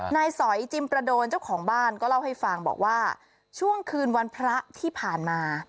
สอยจิมประโดนเจ้าของบ้านก็เล่าให้ฟังบอกว่าช่วงคืนวันพระที่ผ่านมา